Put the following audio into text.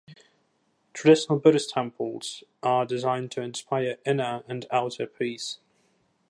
Traditional Buddhist temples are designed to inspire inner and outer peace.